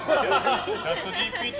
チャットＧＰＴ